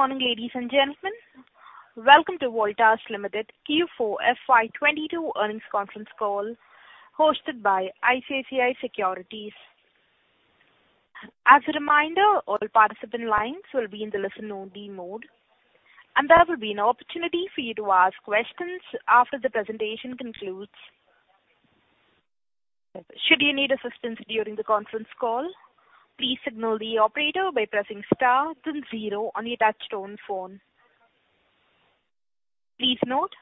Good morning, ladies and gentlemen. Welcome to Voltas Limited Q4 FY 2022 earnings conference call hosted by ICICI Securities. As a reminder, all participant lines will be in the listen-only mode, and there will be an opportunity for you to ask questions after the presentation concludes. Should you need assistance during the conference call, please signal the operator by pressing star then zero on your touchtone phone. Please note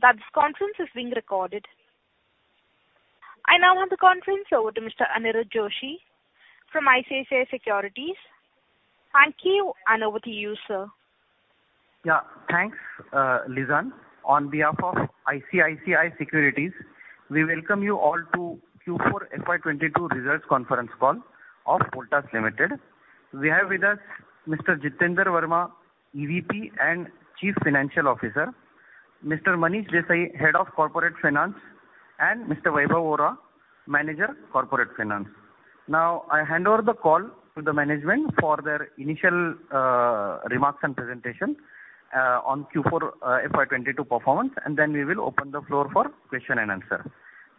that this conference is being recorded. I now hand the conference over to Mr. Aniruddha Joshi from ICICI Securities. Thank you, and over to you, sir. Yeah, thanks, Lizan. On behalf of ICICI Securities, we welcome you all to Q4 FY 2022 results conference call of Voltas Limited. We have with us Mr. Jitender Verma, EVP and Chief Financial Officer, Mr. Manish Desai, Head of Corporate Finance, and Mr. Vaibhav Vora, Manager Corporate Finance. Now, I hand over the call to the management for their initial remarks and presentation on Q4 FY 2022 performance, and then we will open the floor for question and answer.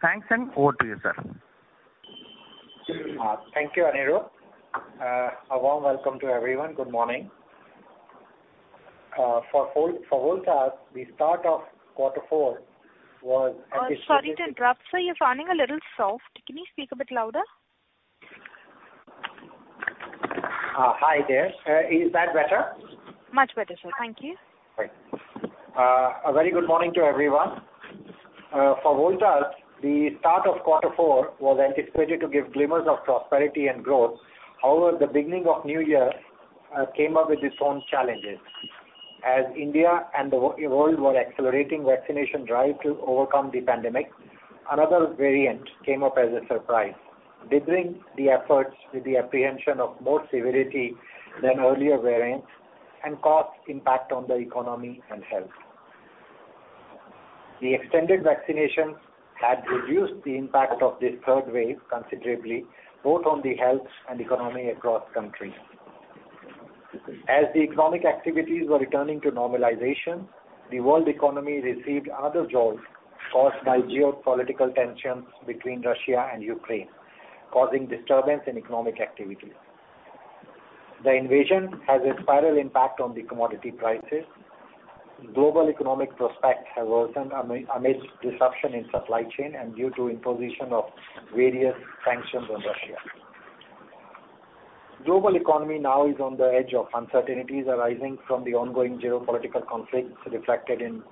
Thanks, and over to you, sir. Thank you, Aniruddha. A warm welcome to everyone. Good morning. For Voltas, the start of quarter four was- Sorry to interrupt, sir. You're sounding a little soft. Can you speak a bit louder? Hi there. Is that better? Much better, sir. Thank you. A very good morning to everyone. For Voltas, the start of quarter four was anticipated to give glimmers of prosperity and growth. However, the beginning of new year came up with its own challenges. As India and the world were accelerating vaccination drive to overcome the pandemic, another variant came up as a surprise, dithering the efforts with the apprehension of more severity than earlier variants and caused impact on the economy and health. The extended vaccinations had reduced the impact of this third wave considerably, both on the health and economy across countries. As the economic activities were returning to normalization, the world economy received other jolts caused by geopolitical tensions between Russia and Ukraine, causing disturbance in economic activity. The invasion has a spiral impact on the commodity prices. Global economic prospects have worsened amidst disruption in supply chain and due to imposition of various sanctions on Russia. Global economy now is on the edge of uncertainties arising from the ongoing geopolitical conflicts reflected in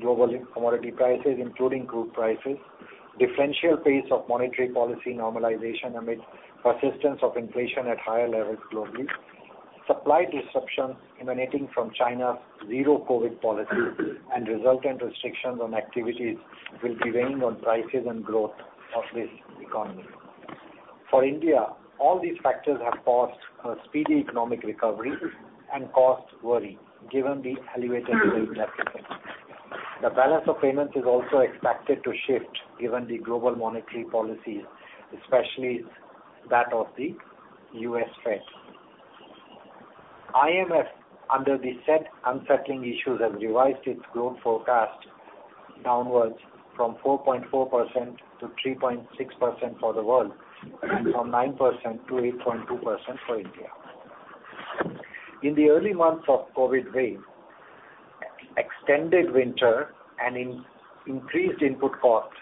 global commodity prices, including crude prices, differential pace of monetary policy normalization amid persistence of inflation at higher levels globally. Supply disruptions emanating from China's zero-COVID policy and resultant restrictions on activities will be weighing on prices and growth of this economy. For India, all these factors have caused a speedy economic recovery and caused worry given the elevated rate trajectory. The balance of payments is also expected to shift given the global monetary policies, especially that of the U.S. Fed. IMF, under the said unsettling issues, have revised its growth forecast downwards from 4.4%-3.6% for the world and from 9%-8.2% for India. In the early months of COVID wave, extended winter and increased input costs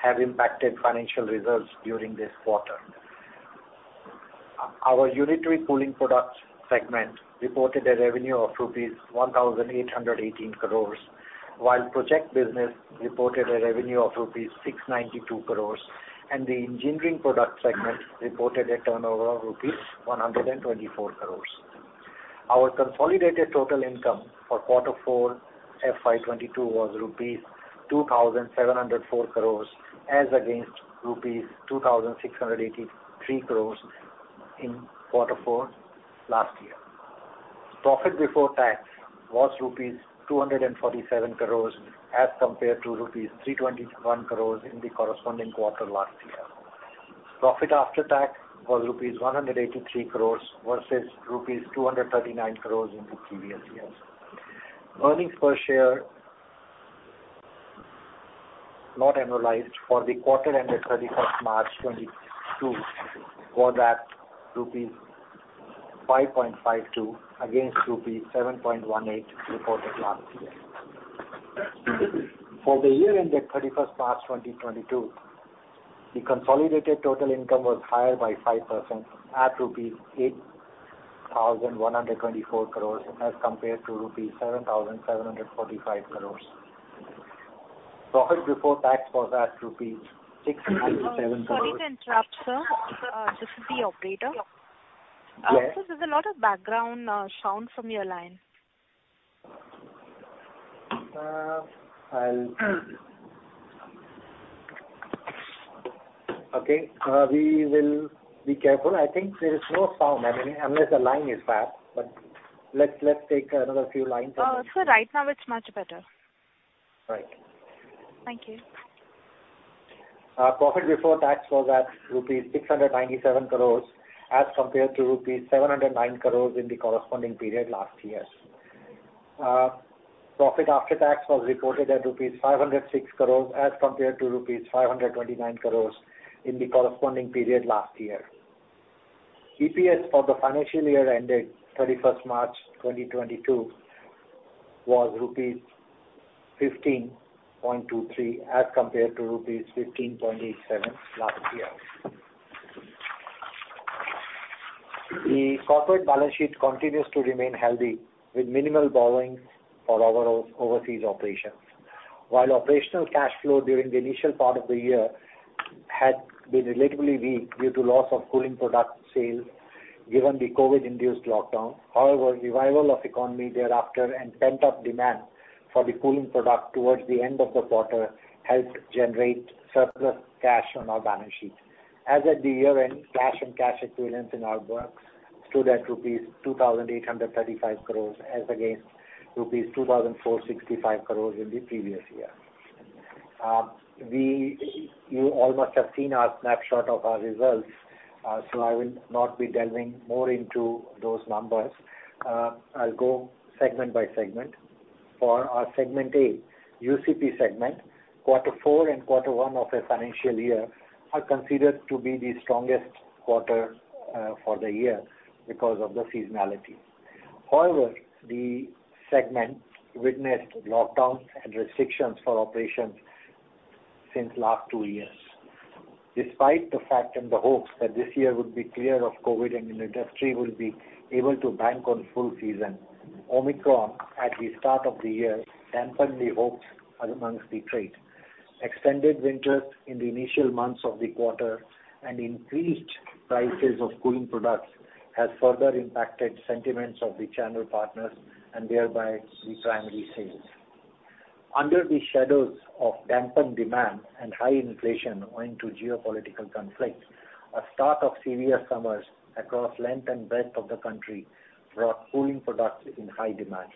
have impacted financial results during this quarter. Our unitary cooling products segment reported a revenue of rupees 1,818 crores, while project business reported a revenue of rupees 692 crores and the engineering product segment reported a turnover of rupees 124 crores. Our consolidated total income for quarter four FY 2022 was rupees 2,704 crores as against rupees 2,683 crores in quarter four last year. Profit before tax was rupees 247 crores as compared to rupees 321 crores in the corresponding quarter last year. Profit after tax was rupees 183 crores versus rupees 239 crores in the previous years. Earnings per share not annualized for the quarter ended 31st March 2022 was at rupees 5.52 against rupees 7.18 reported last year. For the year ended 31st March 2022, the consolidated total income was higher by 5% at rupees 8,124 crores as compared to rupees 7,745 crores. Profit before tax was at rupees 697 crores. Sorry to interrupt, sir. This is the operator. Yes. Sir, there's a lot of background sound from your line. Okay. We will be careful. I think there is no sound, I mean, unless the line is bad. Let's take another few lines and. Sir, right now it's much better. Right. Thank you. Our profit before tax was at rupees 697 crore as compared to rupees 709 crore in the corresponding period last year. Profit after tax was reported at rupees 506 crore as compared to rupees 529 crore in the corresponding period last year. EPS for the financial year ended 31st March 2022 was rupees 15.23 as compared to rupees 15.87 last year. The corporate balance sheet continues to remain healthy with minimal borrowings for our overseas operations. While operational cash flow during the initial part of the year had been relatively weak due to loss of cooling product sales given the COVID induced lockdown. However, revival of economy thereafter and pent-up demand for the cooling product towards the end of the quarter helped generate surplus cash on our balance sheet. As at the year-end, cash and cash equivalents in our books stood at rupees 2,835 crores as against rupees 2,465 crores in the previous year. You all must have seen our snapshot of our results, so I will not be delving more into those numbers. I'll go segment by segment. For our segment A, UCP segment, quarter four and quarter one of a financial year are considered to be the strongest quarter for the year because of the seasonality. However, the segment witnessed lockdowns and restrictions for operations since last two years. Despite the fact and the hopes that this year would be clear of COVID and the industry will be able to bank on full season, Omicron at the start of the year dampened the hopes amongst the trade. Extended winters in the initial months of the quarter and increased prices of cooling products has further impacted sentiments of the channel partners and thereby the primary sales. Under the shadows of dampened demand and high inflation owing to geopolitical conflicts, a start of severe summers across length and breadth of the country brought cooling products in high demand.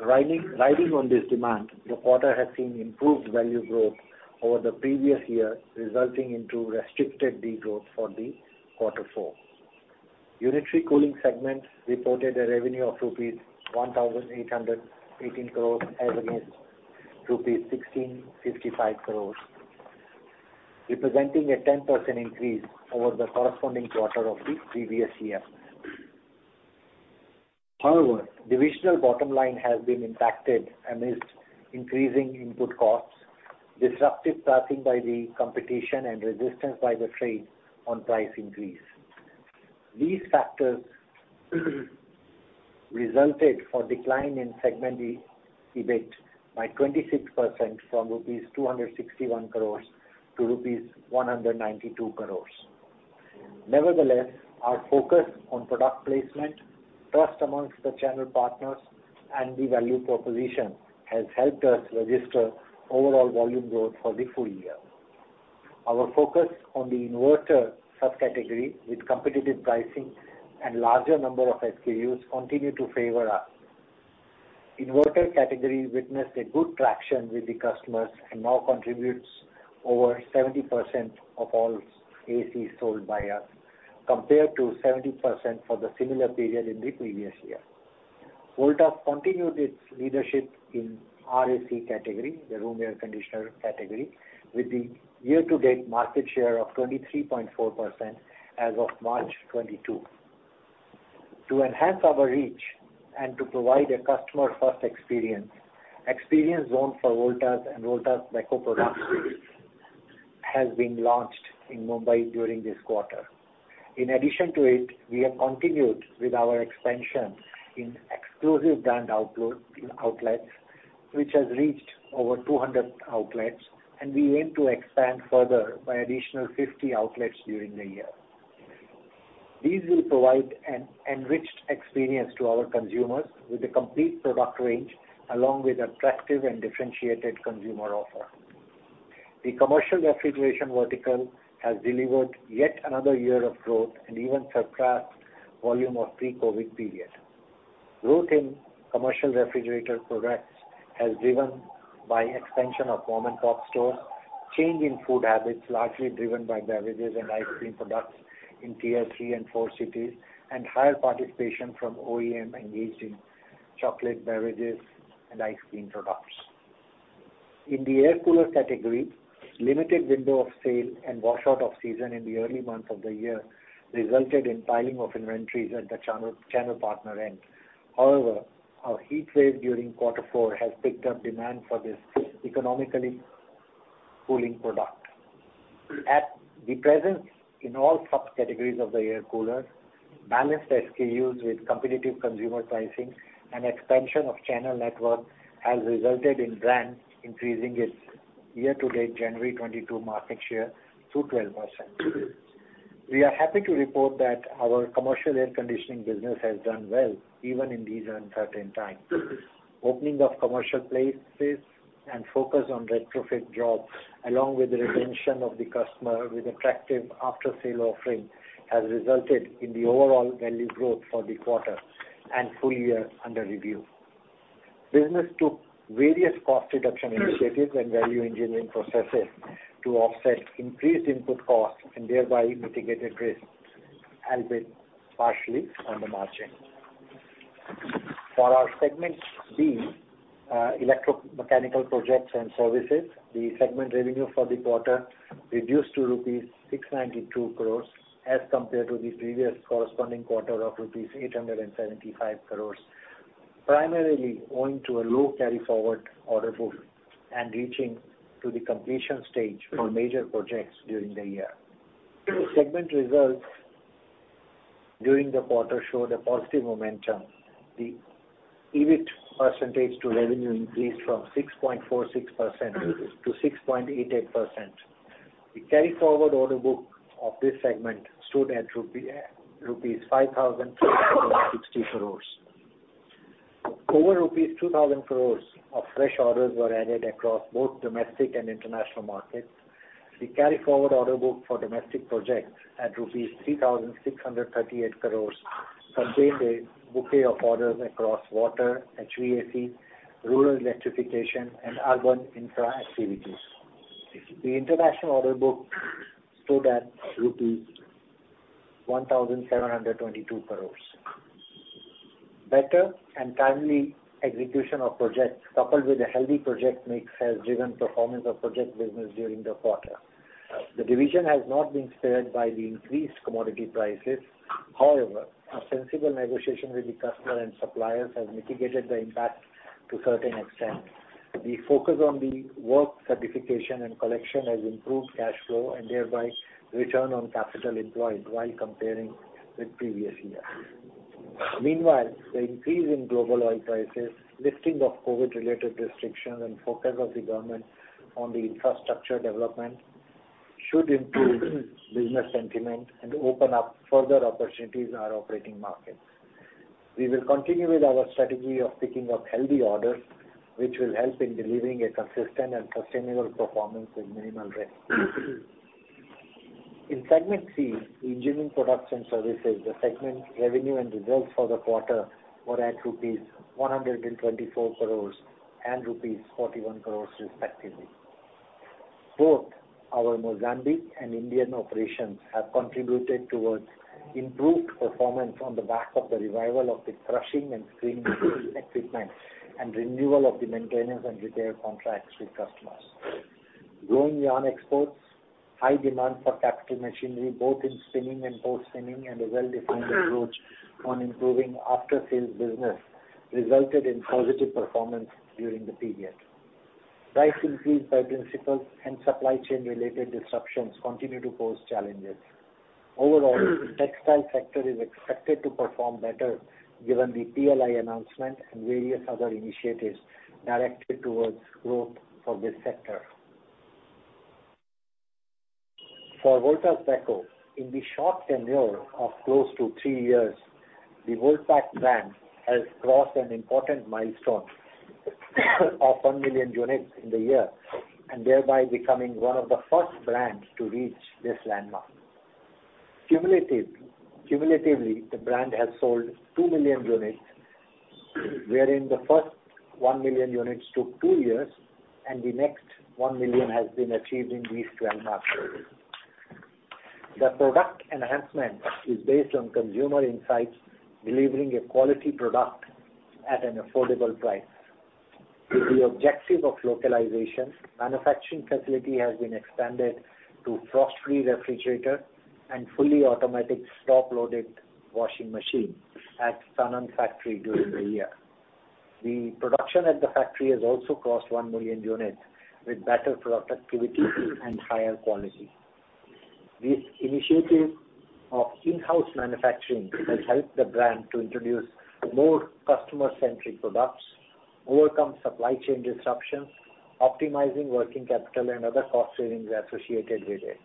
Riding on this demand, the quarter has seen improved value growth over the previous year, resulting into restricted de-growth for the quarter four. Unitary cooling segment reported a revenue of rupees 1,818 crores as against rupees 1,655 crores, representing a 10% increase over the corresponding quarter of the previous year. However, divisional bottom line has been impacted amidst increasing input costs, disruptive pricing by the competition and resistance by the trade on price increase. These factors resulted in decline in segment EBIT by 26% from rupees 261 crores to rupees 192 crores. Nevertheless, our focus on product placement, trust among the channel partners and the value proposition has helped us register overall volume growth for the full year. Our focus on the inverter subcategory with competitive pricing and larger number of SKUs continue to favor us. Inverter category witnessed a good traction with the customers and now contributes over 70% of all ACs sold by us, compared to 70% for the similar period in the previous year. Voltas continued its leadership in RAC category, the room air conditioner category, with the year-to-date market share of 23.4% as of March 2022. To enhance our reach and to provide a customer-first experience zone for Voltas and Voltas Beko products has been launched in Mumbai during this quarter. In addition to it, we have continued with our expansion in exclusive brand outlets, which has reached over 200 outlets, and we aim to expand further by additional 50 outlets during the year. These will provide an enriched experience to our consumers with a complete product range along with attractive and differentiated consumer offer. The commercial refrigeration vertical has delivered yet another year of growth and even surpassed volume of pre-COVID period. Growth in commercial refrigerator products was driven by expansion of mom and pop stores, change in food habits largely driven by beverages and ice cream products in tier three and four cities, and higher participation from OEM engaged in chocolate, beverages and ice cream products. In the air cooler category, limited window of sale and washout of season in the early months of the year resulted in piling of inventories at the channel partner end. However, our heat wave during quarter four has picked up demand for this economically cooling product. Our presence in all subcategories of the air cooler, balanced SKUs with competitive consumer pricing and expansion of channel network has resulted in brand increasing its year-to-date January 2022 market share to 12%. We are happy to report that our commercial air conditioning business has done well even in these uncertain times. Opening of commercial places and focus on retrofit jobs along with the retention of the customer with attractive after-sale offering has resulted in the overall value growth for the quarter and full year under review. Business took various cost reduction initiatives and value engineering processes to offset increased input costs and thereby mitigated risks, albeit partially on the margin. For our segment B, electromechanical projects and services, the segment revenue for the quarter reduced to rupees 692 crores as compared to the previous corresponding quarter of rupees 875 crores, primarily owing to a low carry-forward order book and reaching to the completion stage for major projects during the year. Segment results during the quarter showed a positive momentum. The EBIT percentage to revenue increased from 6.46%-6.88%. The carry-forward order book of this segment stood at rupee 5,660 crore. Over rupees 2,000 crore of fresh orders were added across both domestic and international markets. The carry-forward order book for domestic projects at rupees 3,638 crore contained a bouquet of orders across water, HVAC, rural electrification and urban infra activities. The international order book stood at rupees 1,722 crore. Better and timely execution of projects coupled with a healthy project mix has driven performance of project business during the quarter. The division has not been spared by the increased commodity prices. However, a sensible negotiation with the customer and suppliers has mitigated the impact to certain extent. The focus on the work certification and collection has improved cash flow and thereby return on capital employed while comparing with previous years. Meanwhile, the increase in global oil prices, lifting of COVID-related restrictions and focus of the government on the infrastructure development should improve business sentiment and open up further opportunities in our operating markets. We will continue with our strategy of picking up healthy orders, which will help in delivering a consistent and sustainable performance with minimal risk. In segment C, engineering products and services, the segment revenue and results for the quarter were at rupees 124 crores and rupees 41 crores, respectively. Both our Mozambique and Indian operations have contributed towards improved performance on the back of the revival of the crushing and screening equipment and renewal of the maintenance and repair contracts with customers. Growing yarn exports, high demand for capital machinery both in spinning and post spinning, and a well-defined approach on improving after-sales business resulted in positive performance during the period. Price increase by principals and supply chain related disruptions continue to pose challenges. Overall, the textile sector is expected to perform better given the PLI announcement and various other initiatives directed towards growth for this sector. For Voltas Beko, in the short tenure of close to three years, the Voltas Beko brand has crossed an important milestone of one million units in the year and thereby becoming one of the first brands to reach this landmark. Cumulatively, the brand has sold two million units, wherein the first one million units took two years and the next one million has been achieved in these 12 months. The product enhancement is based on consumer insights, delivering a quality product at an affordable price. With the objective of localization, manufacturing facility has been expanded to frost-free refrigerator and fully automatic top-loaded washing machine at Sanand factory during the year. The production at the factory has also crossed one million units with better productivity and higher quality. This initiative of in-house manufacturing has helped the brand to introduce more customer-centric products, overcome supply chain disruptions, optimizing working capital and other cost savings associated with it.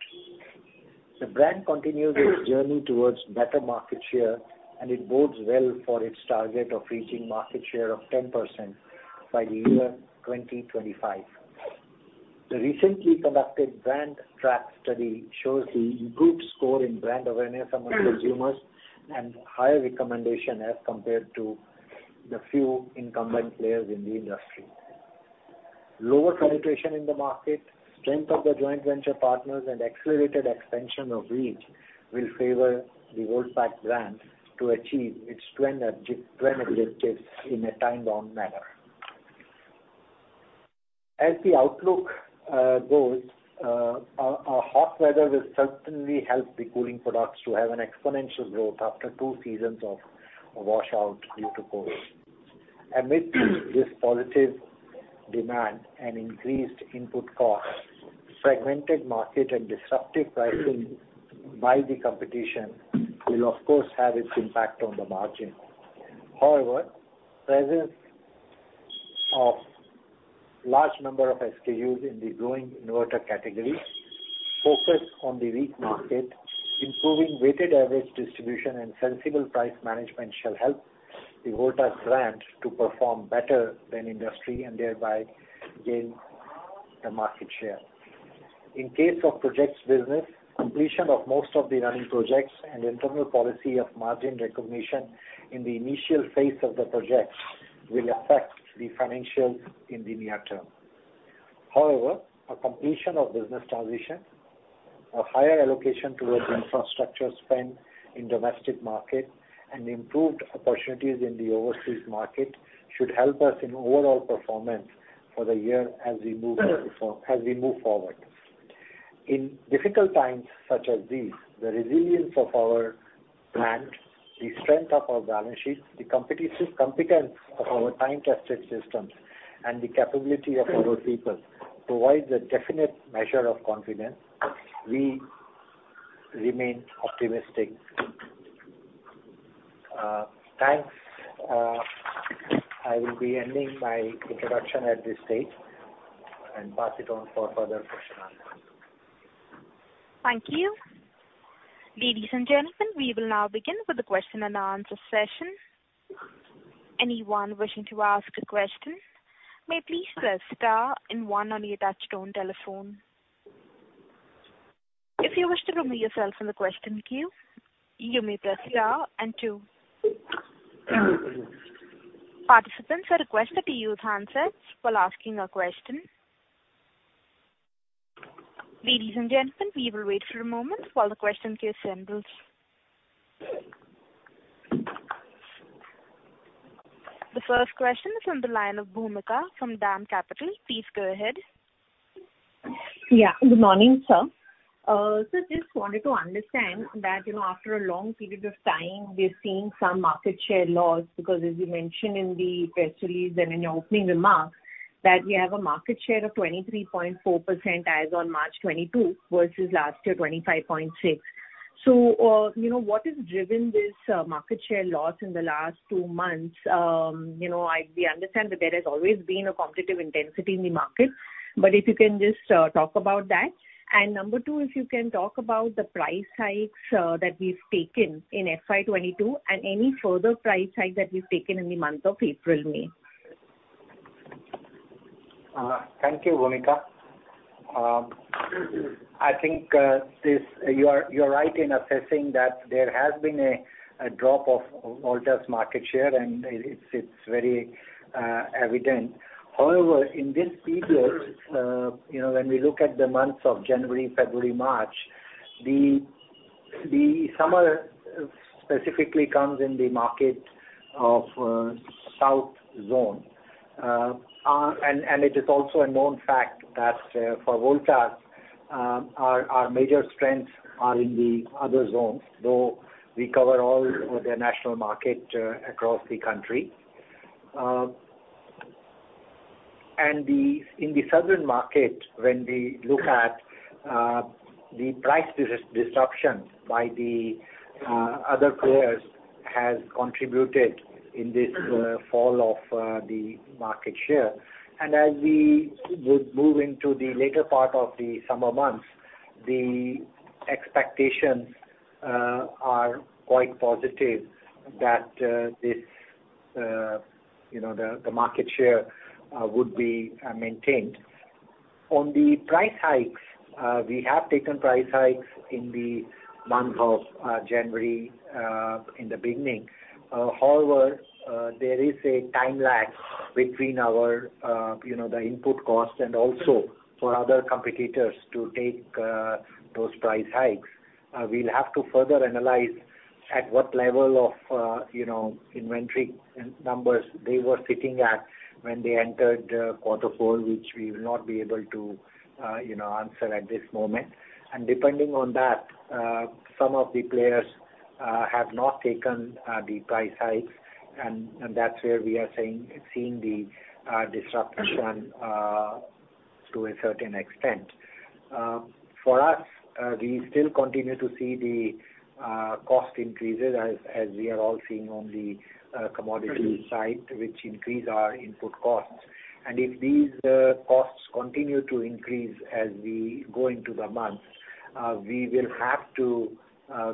The brand continues its journey towards better market share, and it bodes well for its target of reaching market share of 10% by the year 2025. The recently conducted Brand Track study shows a good score in brand awareness among consumers and higher recommendation as compared to the few incumbent players in the industry. Lower penetration in the market, strength of the joint venture partners and accelerated expansion of reach will favor the Voltas Beko brand to achieve its trend objectives in a time-bound manner. As the outlook goes, hot weather will certainly help the cooling products to have an exponential growth after two seasons of a washout due to COVID. Amid this positive demand and increased input costs, fragmented market and disruptive pricing by the competition will of course have its impact on the margin. However, presence of large number of SKUs in the growing inverter category focused on the weak market, improving weighted average distribution and sensible price management shall help the Voltas brand to perform better than industry and thereby gain the market share. In case of projects business, completion of most of the running projects and internal policy of margin recognition in the initial phase of the project will affect the financials in the near term. However, a completion of business transition, a higher allocation towards infrastructure spend in domestic market and improved opportunities in the overseas market should help us in overall performance for the year as we move forward. In difficult times such as these, the resilience of our brand, the strength of our balance sheet, the competence of our time-tested systems, and the capability of our people provides a definite measure of confidence. We remain optimistic. Thanks. I will be ending my introduction at this stage and pass it on for further question and answer. Thank you. Ladies and gentlemen, we will now begin with the question and answer session. Anyone wishing to ask a question may please press star and one on your touchtone telephone. If you wish to remove yourself from the question queue, you may press star and two. Participants are requested to use handsets while asking a question. Ladies and gentlemen, we will wait for a moment while the question queue assembles. The first question is on the line of Bhoomika from DAM Capital. Please go ahead. Yeah. Good morning, sir. Just wanted to understand that, you know, after a long period of time, we are seeing some market share loss because as you mentioned in the press release and in your opening remarks that we have a market share of 23.4% as on March 2022 versus last year, 25.6%. What has driven this market share loss in the last two months? We understand that there has always been a competitive intensity in the market. If you can just talk about that. Number two, if you can talk about the price hikes that we've taken in FY 2022 and any further price hike that we've taken in the month of April, May. Thank you, Bhoomika. I think you are right in assessing that there has been a drop of Voltas's market share, and it's very evident. However, in this period, you know, when we look at the months of January, February, March, the summer specifically comes in the market of south zone. It is also a known fact that for Voltas, our major strengths are in the other zones, though we cover all the national market across the country. In the southern market, when we look at the price disruption by the other players has contributed in this fall of the market share. As we would move into the later part of the summer months, the expectations are quite positive that this you know the market share would be maintained. On the price hikes, we have taken price hikes in the month of January in the beginning. However, there is a time lag between our you know the input costs and also for other competitors to take those price hikes. We'll have to further analyze at what level of you know inventory numbers they were sitting at when they entered quarter four, which we will not be able to you know answer at this moment. Depending on that, some of the players have not taken the price hikes and that's where we are seeing the disruption to a certain extent. For us, we still continue to see the cost increases as we are all seeing on the commodity side, which increase our input costs. If these costs continue to increase as we go into the months, we will have to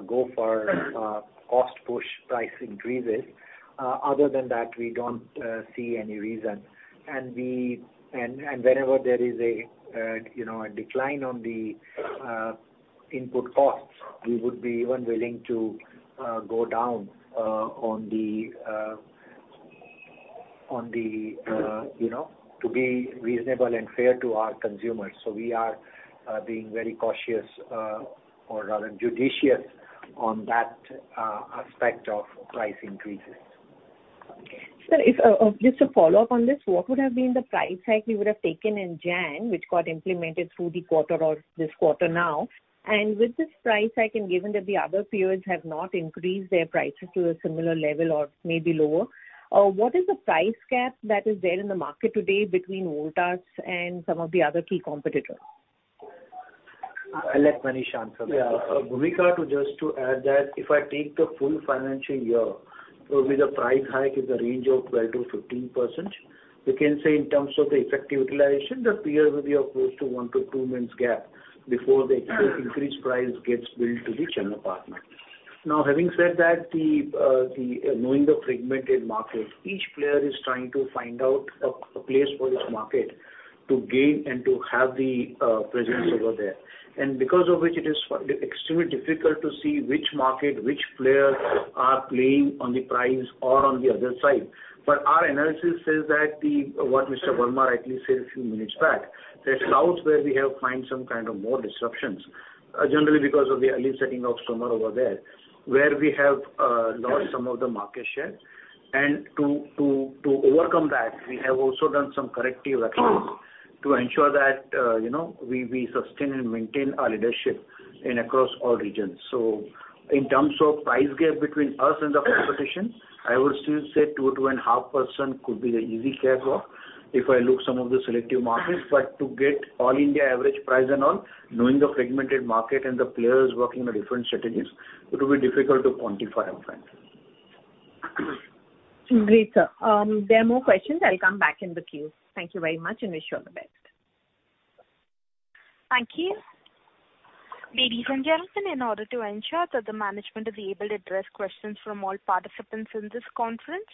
go for cost push price increases. Other than that, we don't see any reason. And whenever there is a you know a decline on the input costs, we would be even willing to go down on the you know to be reasonable and fair to our consumers. We are being very cautious, or rather judicious on that aspect of price increases. Sir, just to follow up on this, what would have been the price hike we would have taken in January, which got implemented through the quarter or this quarter now? With this price hike and given that the other players have not increased their prices to a similar level or maybe lower, what is the price gap that is there in the market today between Voltas and some of the other key competitors? I'll let Manish answer that. Yeah. Bhumika, to just add that if I take the full financial year with the price hike in the range of 12%-15%, we can say in terms of the effective utilization, the period will be of close to one-two months gap before the increased price gets built to the channel partner. Now, having said that, knowing the fragmented market, each player is trying to find out a place for this market to gain and to have the presence over there. Because of which it is extremely difficult to see which market, which players are playing on the price or on the other side. Our analysis says that the what Mr. Verma rightly said a few minutes back, there are regions where we have found some kind of major disruptions, generally because of the early onset of summer over there, where we have lost some of the market share. To overcome that, we have also done some corrective actions to ensure that, you know, we sustain and maintain our leadership across all regions. In terms of price gap between us and the competition, I would still say 2%-2.5% could be the easy share for if I look some of the selective markets. But to get All-India average price and all, knowing the fragmented market and the players working on different strategies, it will be difficult to quantify up front. Great, sir. There are more questions. I'll come back in the queue. Thank you very much and wish you all the best. Thank you. Ladies and gentlemen, in order to ensure that the management is able to address questions from all participants in this conference,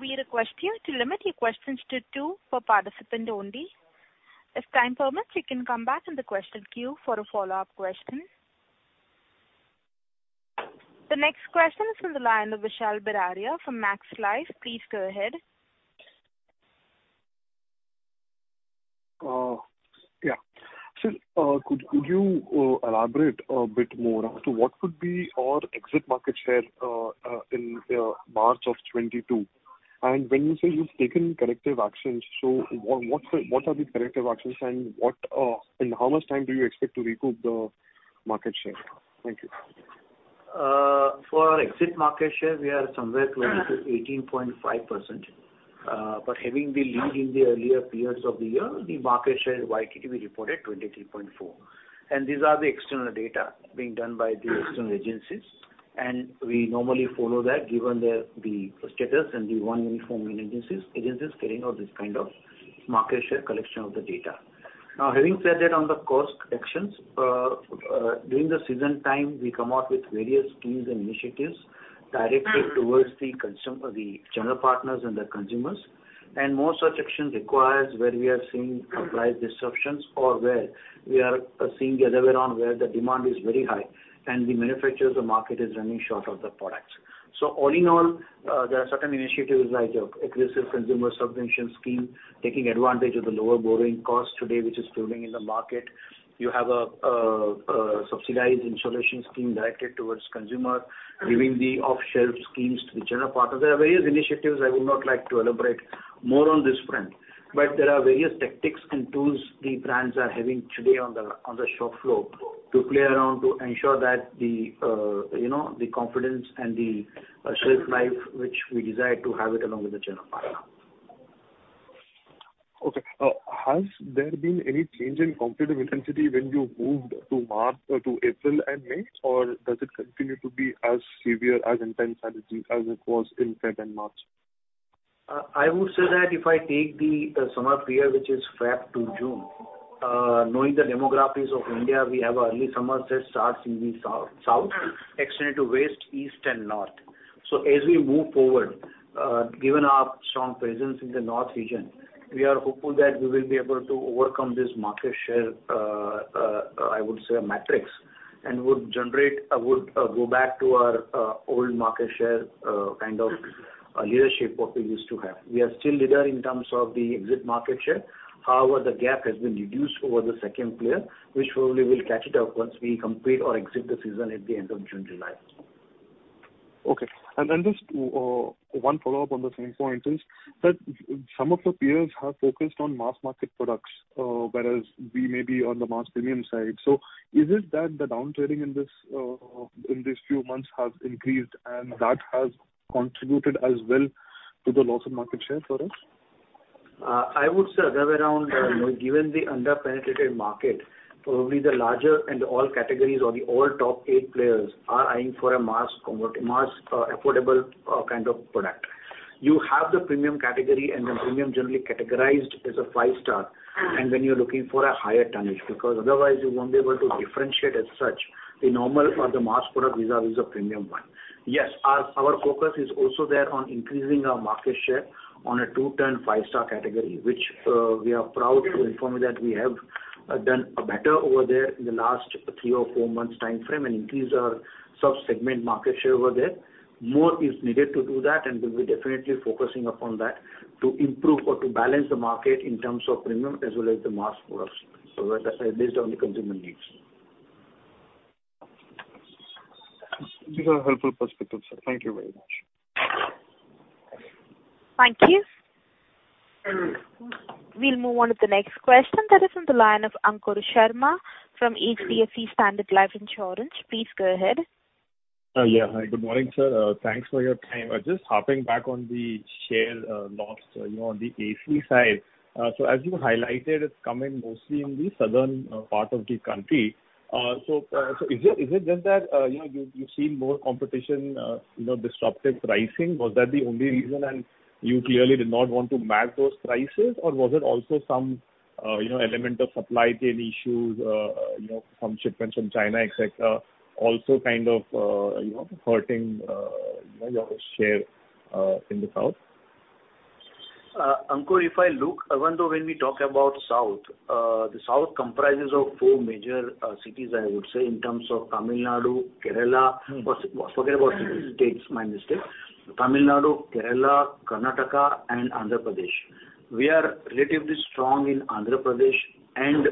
we request you to limit your questions to two per participant only. If time permits, you can come back in the question queue for a follow-up question. The next question is from the line of Vishal Biraia from Max Life. Please go ahead. Yeah. Sir, could you elaborate a bit more as to what could be our exit market share in March of 2022? When you say you've taken corrective actions, what are the corrective actions and how much time do you expect to recoup the market share? Thank you. For our AC market share, we are somewhere close to 18.5%. Having the lead in the earlier periods of the year, the market share YTD we reported 23.4. These are the external data being done by the external agencies, and we normally follow that given the status and the one uniform agencies carrying out this kind of market share collection of the data. Now, having said that on the corrective actions, during the season time, we come out with various schemes and initiatives directed towards the consumer, the channel partners and the consumers. More such action requires where we are seeing supply disruptions or where we are seeing the other way around, where the demand is very high and we manufacture the market is running short of the products. All in all, there are certain initiatives like aggressive consumer subscription scheme, taking advantage of the lower borrowing costs today, which is building in the market. You have a subsidized installation scheme directed towards consumer, giving the off-the-shelf schemes to the channel partner. There are various initiatives I would not like to elaborate more on this front. There are various tactics and tools the brands are having today on the shop floor to play around to ensure that you know, the confidence and the shelf life which we desire to have it along with the channel partner. Okay. Has there been any change in competitive intensity when you moved to March or to April and May? Or does it continue to be as severe, as intense as it was in February and March? I would say that if I take the summer period, which is February to June, knowing the demographics of India, we have early summer that starts in the South, extended to West, East and North. As we move forward, given our strong presence in the North region, we are hopeful that we will be able to overcome this market share matrix and would go back to our old market share kind of leadership what we used to have. We are still leader in terms of the exit market share. However, the gap has been reduced over the second player, which probably will catch it up once we complete or exit the season at the end of June, July. Just one follow-up on the same point is that some of your peers have focused on mass market products, whereas we may be on the mass premium side. Is it that the downtrending in this, in these few months has increased and that has contributed as well to the loss of market share for us? I would say other way around. You know, given the under-penetrated market, probably the larger and all categories or the all top 8 players are eyeing for a mass, affordable kind of product. You have the premium category and the premium generally categorized as a five-star, and then you're looking for a higher tonnage, because otherwise you won't be able to differentiate as such the normal or the mass product vis-a-vis the premium one. Yes, our focus is also there on increasing our market share on a two-ton five-star category, which we are proud to inform you that we have done better over there in the last three or four months timeframe and increase our sub-segment market share over there. More is needed to do that, and we'll be definitely focusing upon that to improve or to balance the market in terms of premium as well as the mass products, so that, based on the consumer needs. These are helpful perspectives, sir. Thank you very much. Thank you. We'll move on to the next question that is on the line of Ankur Sharma from HDFC Standard Life Insurance. Please go ahead. Yeah. Hi, good morning, sir. Thanks for your time. Just harping back on the share loss, you know, on the AC side. As you highlighted, it's coming mostly in the southern part of the country. Is it just that, you know, you've seen more competition, you know, disruptive pricing? Was that the only reason and you clearly did not want to match those prices? Or was it also some, you know, element of supply chain issues, you know, some shipments from China, et cetera, also kind of, you know, hurting, you know, your share in the South? Ankur, if I look, even though when we talk about south, the south comprises of four major, cities I would say in terms of Tamil Nadu, Kerala. Forget about states, my mistake. Tamil Nadu, Kerala, Karnataka and Andhra Pradesh. We are relatively strong in Andhra Pradesh and,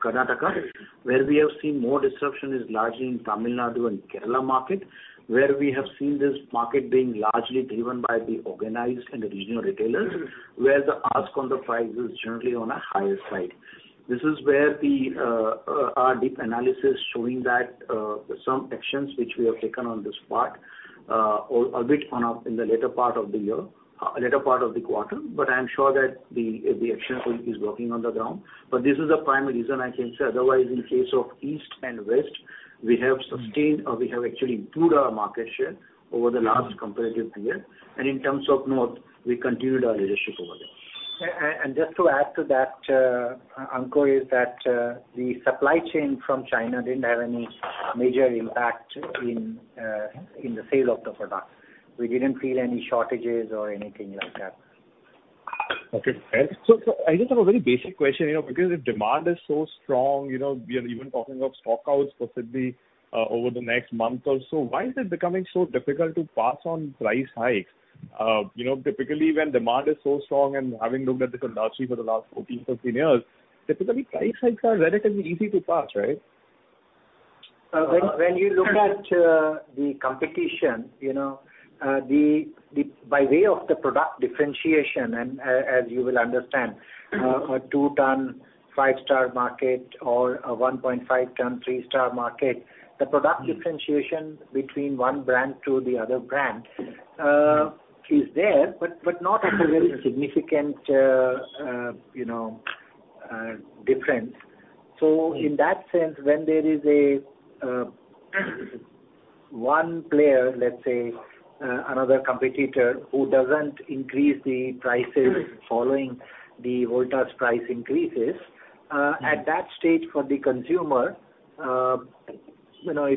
Karnataka, where we have seen more disruption is largely in Tamil Nadu and Kerala market, where we have seen this market being largely driven by the organized and regional retailers, where the ask on the price is generally on a higher side. This is where the, our deep analysis showing that, some actions which we have taken on this part, a bit on our in the later part of the year, later part of the quarter. I am sure that the action is working on the ground. This is the primary reason I can say. Otherwise, in case of East and West, we have sustained or we have actually improved our market share over the last comparative period. In terms of North, we continued our leadership over there. Just to add to that, Ankur, is that the supply chain from China didn't have any major impact in the sale of the product. We didn't feel any shortages or anything like that. Okay. I just have a very basic question, you know, because if demand is so strong, you know, we are even talking of stockouts possibly over the next month or so, why is it becoming so difficult to pass on price hikes? You know, typically when demand is so strong and having looked at the industry for the last 14, 15 years, typically price hikes are relatively easy to pass, right? When you look at the competition, you know, the by way of the product differentiation and as you will understand, a two ton five-star market or a 1.5 ton three-star market, the product differentiation between one brand to the other brand is there, but not at a very significant, you know, difference. In that sense, when there is one player, let's say, another competitor who doesn't increase the prices following the Voltas price increases, at that stage for the consumer, you know,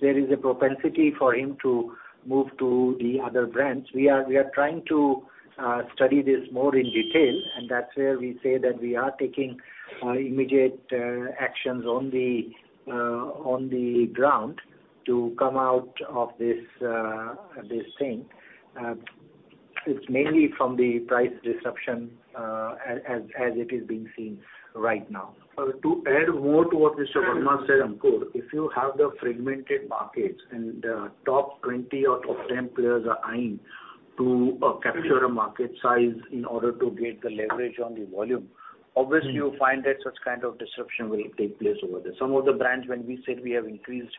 there is a propensity for him to move to the other brands. We are trying to study this more in detail, and that's where we say that we are taking immediate actions on the ground to come out of this thing. It's mainly from the price disruption as it is being seen right now. To add more to what Mr. Verma said, Ankur, if you have the fragmented markets and the top 20 or top 10 players are eyeing to capture a market size in order to get the leverage on the volume, obviously you'll find that such kind of disruption will take place over there. Some of the brands when we said we have increased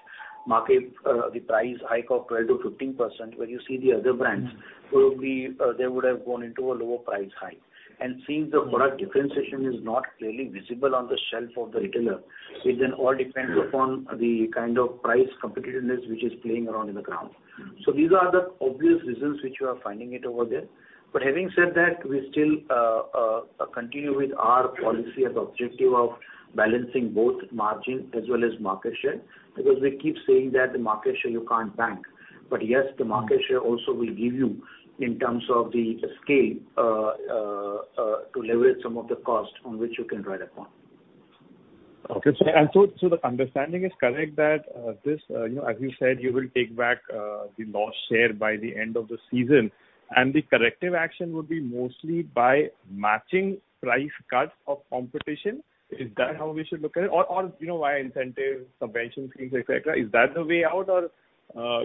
market, the price hike of 12%-15% when you see the other brands, probably, they would have gone into a lower price hike. Since the product differentiation is not clearly visible on the shelf of the retailer, it then all depends upon the kind of price competitiveness which is playing around in the ground. These are the obvious reasons which you are finding it over there. Having said that, we still continue with our policy as objective of balancing both margin as well as market share, because we keep saying that the market share you can't bank. Yes, the market share also will give you in terms of the scale to leverage some of the cost on which you can ride upon. The understanding is correct that, you know, as you said, you will take back the lost share by the end of the season, and the corrective action would be mostly by matching price cuts of competition. Is that how we should look at it? Or, you know, via incentive, subvention schemes, et cetera. Is that the way out or,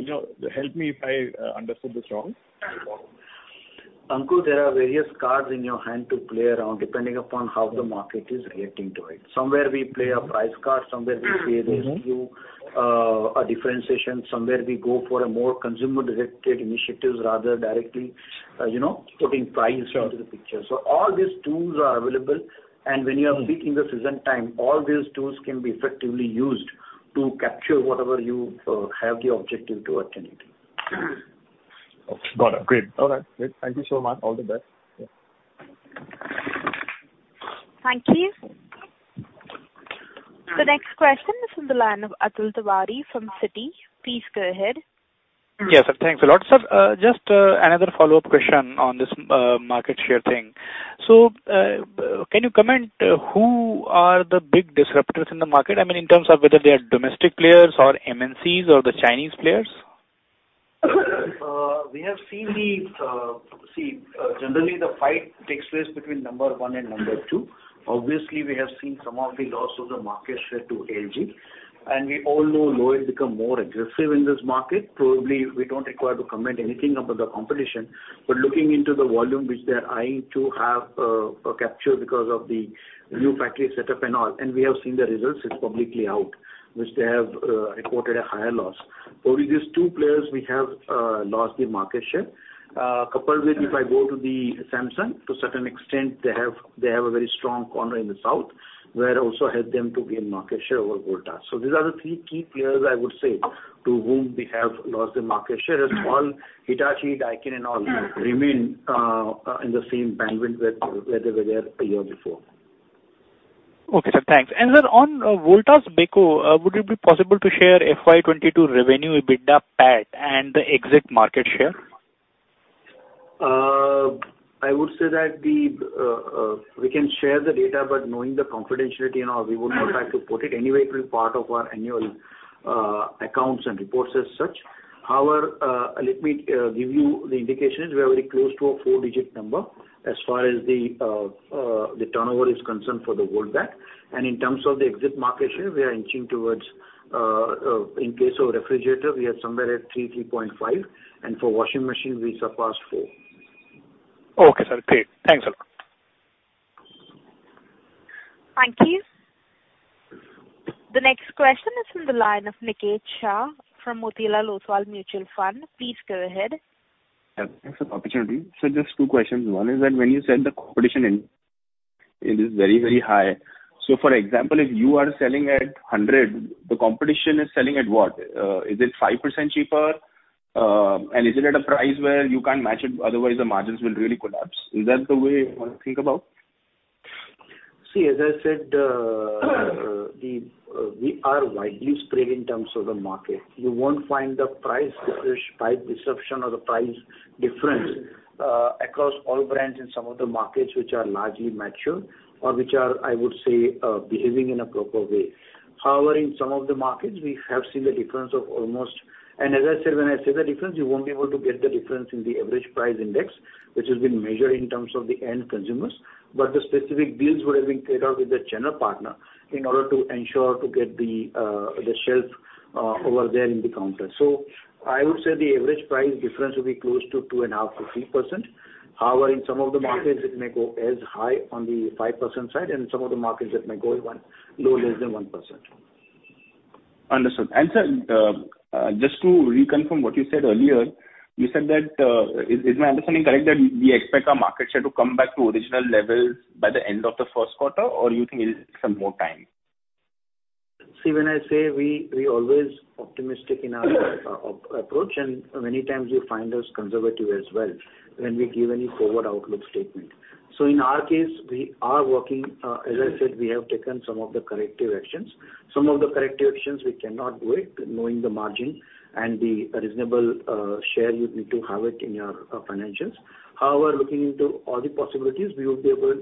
you know? Help me if I understood this wrong. Ankur, there are various cards in your hand to play around depending upon how the market is reacting to it. Somewhere we play a price card, somewhere we play this, a differentiation. Somewhere we go for a more consumer-directed initiatives rather directly, you know, putting price into the picture. All these tools are available. When you are speaking the season time, all these tools can be effectively used to capture whatever you have the objective to attaining. Okay. Got it. Great. All right. Great. Thank you so much. All the best. Yeah. Thank you. The next question is from the line of Atul Tiwari from Citi. Please go ahead. Yes, sir. Thanks a lot. Sir, just another follow-up question on this market share thing. Can you comment who are the big disruptors in the market? I mean, in terms of whether they are domestic players or MNCs or the Chinese players. We have seen generally the fight takes place between number one and number two. Obviously, we have seen some of the loss of the market share to LG, and we all know Lloyd become more aggressive in this market. Probably we don't require to comment anything about the competition, but looking into the volume which they're eyeing to capture because of the new factory set up and all, and we have seen the results, it's publicly out, which they have reported a higher loss. Probably these two players we have lost their market share. Coupled with if I go to Samsung, to certain extent, they have a very strong stronghold in the south which also helped them to gain market share over Voltas. These are the three key players I would say, to whom we have lost the market share. As all Hitachi, Daikin and all remain in the same bandwidth where they were there a year before. Okay, sir. Thanks. On Voltas Beko, would it be possible to share FY 2022 revenue EBITDA PAT and the exit market share? I would say that we can share the data, but knowing the confidentiality and all, we would not like to put it. Anyway, it will be part of our annual accounts and reports as such. However, let me give you the indications. We are very close to a four-digit number as far as the turnover is concerned for Voltas. In terms of the exit market share, we are inching towards in case of refrigerator, we are somewhere at 3.5%, and for washing machine, we surpassed 4%. Okay, sir. Great. Thanks a lot. Thank you. The next question is from the line of Niket Shah from Motilal Oswal Mutual Fund. Please go ahead. Yeah. Thanks for the opportunity. Just two questions. One is that when you said the competition in, it is very, very high. For example, if you are selling at hundred, the competition is selling at what? Is it 5% cheaper? And is it at a price where you can't match it, otherwise the margins will really collapse? Is that the way you wanna think about? See, as I said, we are widely spread in terms of the market. You won't find the price difference by destination or the price difference across all brands in some of the markets which are largely mature or, I would say, behaving in a proper way. However, in some of the markets, we have seen the difference of almost. As I said, when I say the difference, you won't be able to get the difference in the average price index, which has been measured in terms of the end consumers. But the specific deals would have been carried out with the channel partner in order to ensure to get the shelf over there in the counter. I would say the average price difference will be close to 2.5%-3%. However, in some of the markets, it may go as high as the 5% side, and some of the markets it may go low, less than 1%. Understood. Sir, just to reconfirm what you said earlier, you said that, is my understanding correct that we expect our market share to come back to original levels by the end of the first quarter, or you think it'll take some more time? See, when I say we always optimistic in our approach, and many times you find us conservative as well when we give any forward outlook statement. In our case, we are working, as I said, we have taken some of the corrective actions. Some of the corrective actions we cannot do it knowing the margin and the reasonable share you need to have it in your financials. However, looking into all the possibilities, we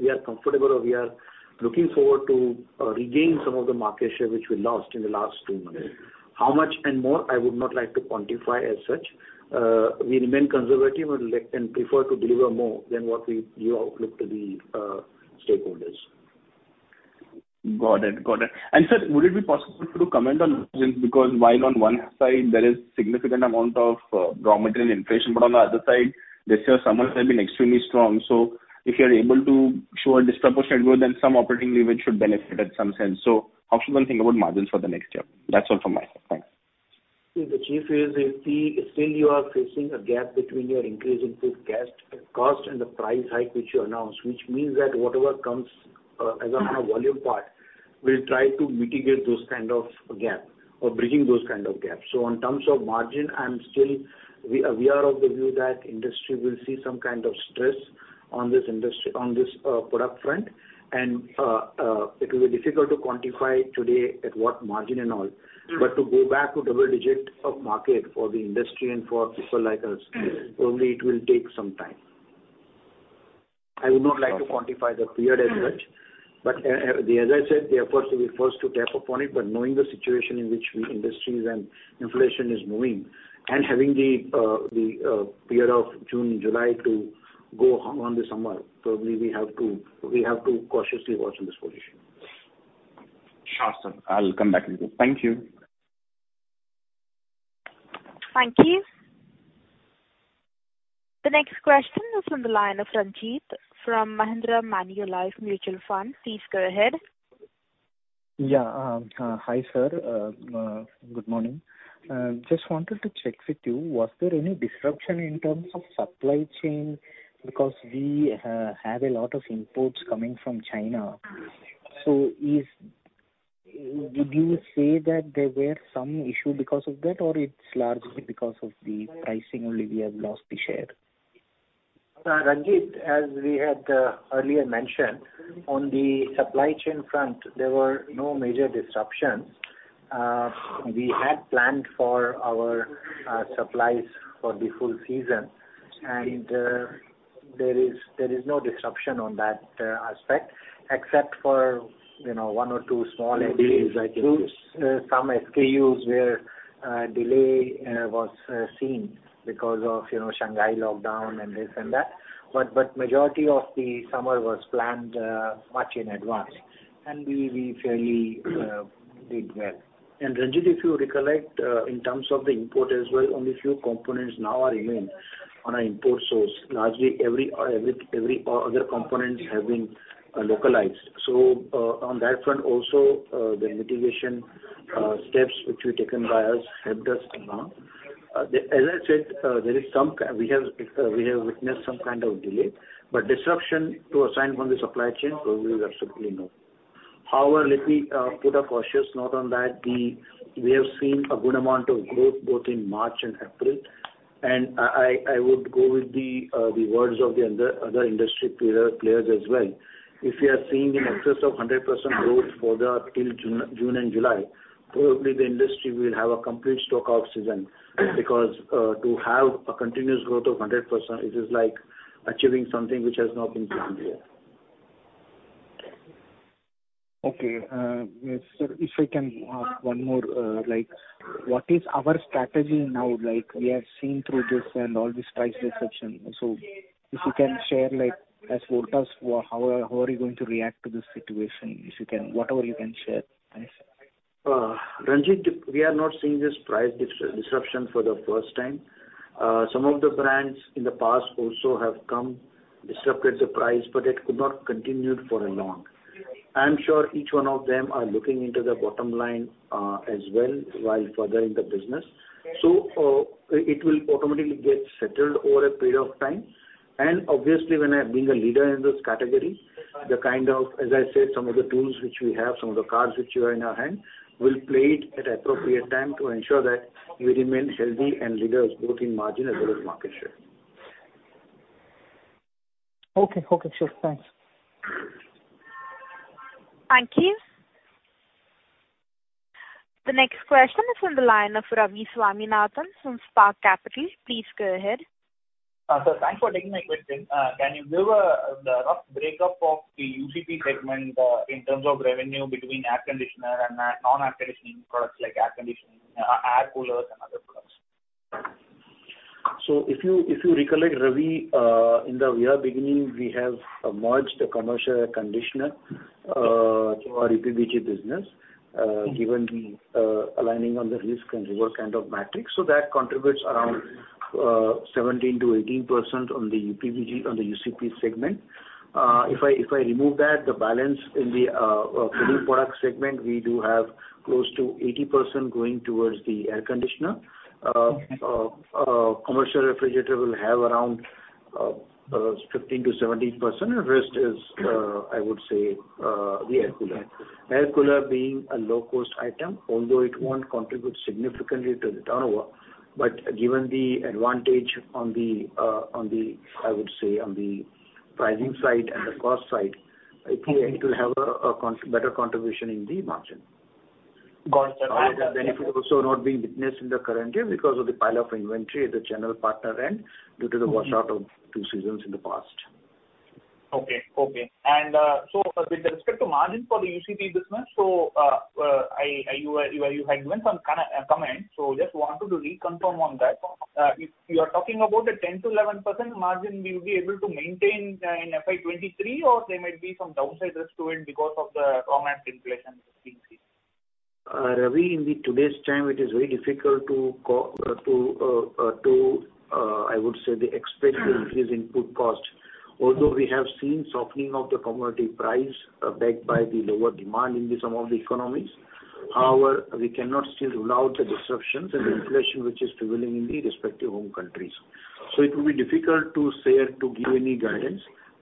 are comfortable or we are looking forward to regain some of the market share which we lost in the last two months. How much and more, I would not like to quantify as such. We remain conservative and like, and prefer to deliver more than what we give outlook to the stakeholders. Got it. Sir, would it be possible to comment on margins? Because while on one side there is significant amount of raw material inflation, but on the other side, this year summer has been extremely strong. If you're able to show a disproportionate growth, then some operating leverage should benefit at some sense. How should one think about margins for the next year? That's all from my side. Thanks. See, the key phase is the still you are facing a gap between your increase in input cost and the price hike which you announced, which means that whatever comes as on a volume part, we'll try to mitigate those kind of gap or bridging those kind of gaps. In terms of margin, we are of the view that industry will see some kind of stress on this industry, on this product front. It will be difficult to quantify today at what margin and all. To go back to double digit of market for the industry and for people like us, only it will take some time. I would not like to quantify the period as such, but as I said, the effort will be first to cap upon it. Knowing the situation in which the industries and inflation is moving and having the period of June, July to go on the summer, probably we have to cautiously watch this position. Sure, sir. I'll come back with you. Thank you. Thank you. The next question is from the line of Ranjit from Mahindra Manulife Mutual Fund. Please go ahead. Yeah. Hi sir. Good morning. Just wanted to check with you, was there any disruption in terms of supply chain? Because we have a lot of imports coming from China. Would you say that there were some issue because of that, or it's largely because of the pricing only we have lost the share? Ranjit, as we had earlier mentioned, on the supply chain front, there were no major disruptions. We had planned for our supplies for the full season, and there is no disruption on that aspect except for, you know, one or two small SKUs. Some SKUs where delay was seen because of, you know, Shanghai lockdown and this and that. Majority of the summer was planned much in advance, and we fairly did well. Ranjit, if you recollect, in terms of the import as well, only few components now are remaining on our import source. Largely every other components have been localized. On that front also, the mitigation steps which were taken by us helped us a lot. As I said, there is some kind of delay. We have witnessed some kind of delay, but no disruption from the supply chain, probably there's simply no. However, let me put a cautious note on that. We have seen a good amount of growth both in March and April. I would go with the words of the other industry peer players as well. If you are seeing in excess of 100% growth till June and July, probably the industry will have a complete stockout season. Because to have a continuous growth of 100%, it is like achieving something which has not been done here. Okay. Sir, if I can ask one more, like what is our strategy now, like we have seen through this and all this price disruption. If you can share, like, as Voltas, how are you going to react to this situation? If you can, whatever you can share. Thanks. Ranjit, we are not seeing this price disruption for the first time. Some of the brands in the past also have come, disrupted the price, but it could not continue for long. I am sure each one of them are looking into the bottom line as well while furthering the business. It will automatically get settled over a period of time. Obviously when I have been a leader in this category, the kind of, as I said, some of the tools which we have, some of the cards which are in our hand, we'll play it at appropriate time to ensure that we remain healthy and leaders both in margin as well as market share. Okay. Sure. Thanks. Thank you. The next question is on the line of Ravi Swaminathan from Spark Capital. Please go ahead. Sir, thanks for taking my question. Can you give the rough break up of the UCP segment in terms of revenue between air conditioner and non-air conditioning products like air conditioning, air coolers and other products? If you recollect, Ravi, in the year beginning, we have merged the commercial air conditioner to our UPBG business, given the aligning on the risk and reward kind of matrix. That contributes around 17%-18% on the UPBG, on the UCP segment. If I remove that, the balance in the cooling product segment, we do have close to 80% going towards the air conditioner. Commercial refrigerator will have around 15%-17%, and rest is, I would say, the air cooler. Air cooler being a low-cost item, although it won't contribute significantly to the turnover. Given the advantage on the pricing side and the cost side, I would say, it will have a better contribution in the margin. Got it, sir. The benefit also not being witnessed in the current year because of the pile up of inventory at the channel partner end due to the washout of two seasons in the past. Okay. With respect to margin for the UCP business, you had given some kind of comment, so just wanted to reconfirm on that. If you are talking about the 10%-11% margin, will you be able to maintain in FY 2023, or there might be some downside risk to it because of the raw material inflation we've seen? Ravi, in today's time, it is very difficult, I would say, to expect the increase in input cost. Although we have seen softening of the commodity price, backed by the lower demand in some of the economies. However, we cannot still rule out the disruptions and inflation which is prevailing in the respective home countries. It will be difficult to say or to give any guidance.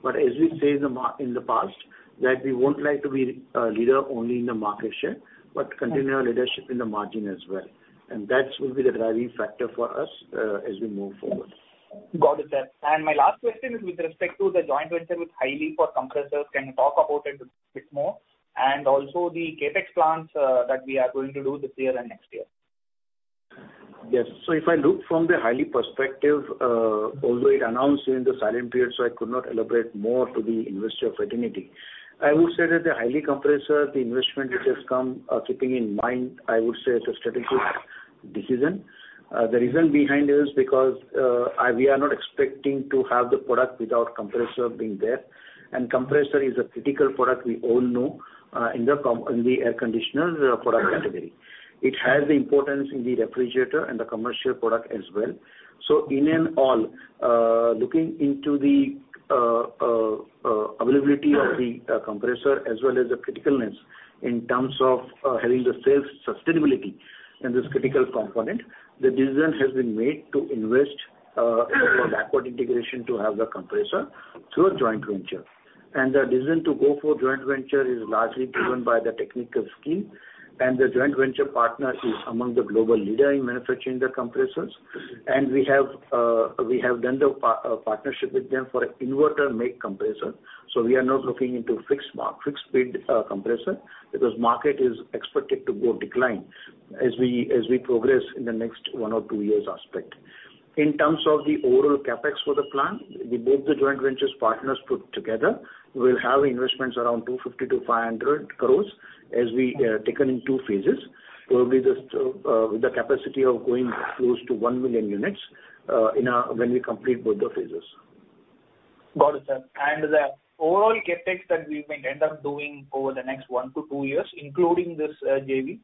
As we say in the past, that we won't like to be a leader only in the market share, but continue our leadership in the margin as well. That will be the driving factor for us as we move forward. Got it, sir. My last question is with respect to the joint venture with Highly for compressors. Can you talk about it a bit more? Also the CapEx plans that we are going to do this year and next year. Yes. If I look from the Highly perspective, although it announced during the silent period, I could not elaborate more to the investor fraternity. I would say that the Highly compressor, the investment which has come, keeping in mind, I would say it's a strategic decision. The reason behind it is because we are not expecting to have the product without compressor being there. Compressor is a critical product we all know in the air conditioner product category. It has the importance in the refrigerator and the commercial product as well. In all, looking into the availability of the compressor as well as the criticalness in terms of having the sales sustainability in this critical component, the decision has been made to invest for backward integration to have the compressor through a joint venture. The decision to go for joint venture is largely driven by the technical skill, and the joint venture partner is among the global leader in manufacturing the compressors. We have done the partnership with them for an inverter make compressor. We are not looking into fixed speed compressor because market is expected to go decline as we progress in the next one or two years aspect. In terms of the overall CapEx for the plant, both the joint ventures partners put together will have investments around 250-500 crore as we taken in two phases. Probably just with the capacity of going close to 1 million units when we complete both the phases. Got it, sir. The overall CapEx that we may end up doing over the next one-two years, including this, JV?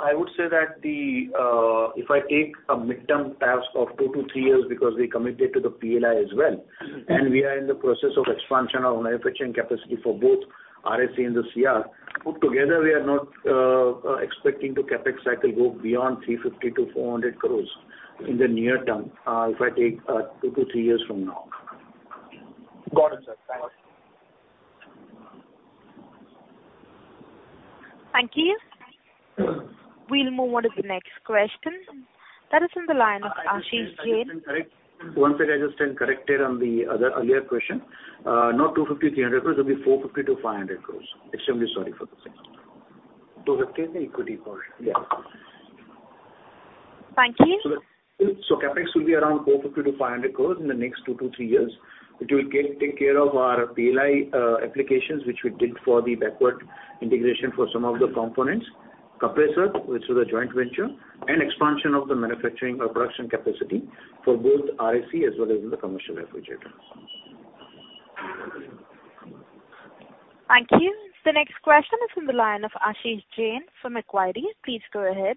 I would say that, if I take a mid-term view of two-three years because we committed to the PLI as well, and we are in the process of expansion of manufacturing capacity for both RAC and the CR. Put together we are not expecting the CapEx cycle go beyond 350-400 crore in the near term, if I take two-three years from now. Got it, sir. Thanks. Thank you. We'll move on to the next question. That is from the line of Ashish Jain. One second, I just stand corrected on the other earlier question. Not 250, 300 crores. It'll be 450-500 crores. Extremely sorry for the same. 250 is the equity portion. Yeah. Thank you. CapEx will be around 450-500 crores in the next two to three years, which will take care of our PLI applications, which we did for the backward integration for some of the components. Compressor, which is a joint venture, and expansion of the manufacturing or production capacity for both RAC as well as in the commercial refrigerator. Thank you. The next question is from the line of Ashish Jain from Equirus. Please go ahead.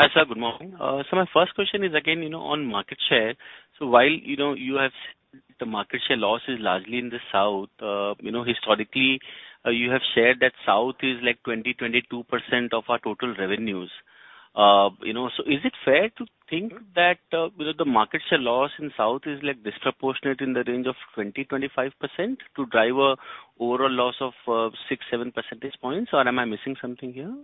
Hi, sir. Good morning. My first question is again, you know, on market share. While, you know, your market share loss is largely in the South, you know, historically, you have shared that South is like 22% of our total revenues. Is it fair to think that, because the market share loss in South is like disproportionate in the range of 20%-25% to drive an overall loss of 6-7 percentage points, or am I missing something here?